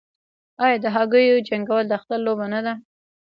آیا د هګیو جنګول د اختر لوبه نه ده؟